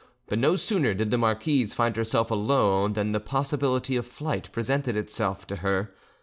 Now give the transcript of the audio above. But no sooner did the marquise find herself alone than the possibility of flight presented itself to her.